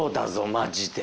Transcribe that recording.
マジで。